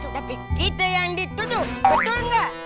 tapi kita yang dituduh betul nggak